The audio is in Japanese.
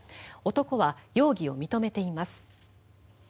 男は容疑を認めています。